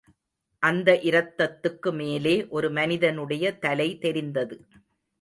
அந்த இரத்தத்துக்கு மேலே ஒரு மனிதனுடைய தலை தெரிந்தது.